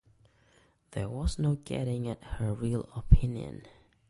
There was no getting at her real opinion.